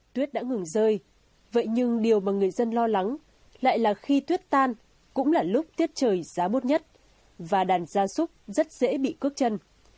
tuyết đã ngừng rơi vậy nhưng điều mà người dân lo lắng lại là khi tuyết tan cũng là lúc tiết trời giá bút nhất và đàn gia súc rất dễ bị cướp chân